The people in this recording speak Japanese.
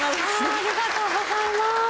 ありがとうございます。